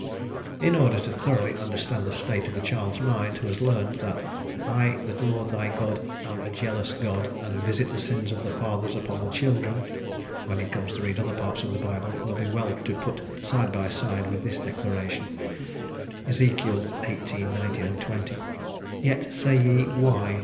_'" In order to thoroughly understand the state of the child's mind who has learned that "I the Lord thy God am a jealous God, and visit the sins of the fathers upon the children," when he comes to read other parts of the Bible it will be well to put side by side with this declaration, Ezekiel xviii. 19, 20: "Yet say ye, why?